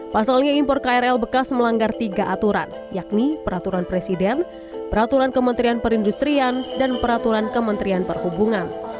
pasalnya impor krl bekas melanggar tiga aturan yakni peraturan presiden peraturan kementerian perindustrian dan peraturan kementerian perhubungan